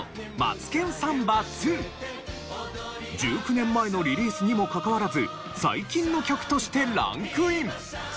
１９年前のリリースにもかかわらず最近の曲としてランクイン。